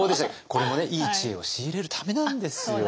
これもいい知恵を仕入れるためなんですよ。